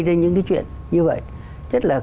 ra những cái chuyện như vậy chất là